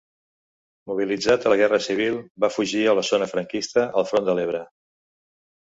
Mobilitzat a la guerra civil, va fugir a la zona franquista al front de l'Ebre.